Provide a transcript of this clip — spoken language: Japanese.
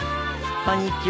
こんにちは。